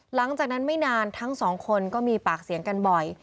หลังจากนั้นไม่นานทั้งสองคนก็มีปากเสียงกันบ่อย